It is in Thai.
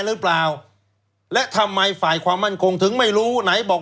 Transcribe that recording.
หรือเปล่าและทำไมฝ่ายความมั่นคงถึงไม่รู้ไหนบอก